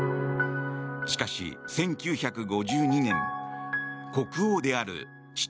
しかし１９５２年国王である父